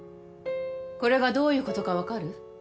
これがどういうことか分かる？